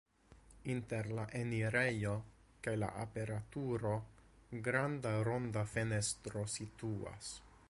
Inter la enirejo kaj aperturo granda ronda fenestro situas.